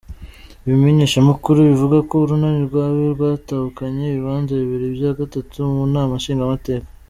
Ibimenyeshamakuru bivuga ko urunani rwa Abe rwatahukanye ibibanza bibiri vya gatatu mu nama nshingamateka.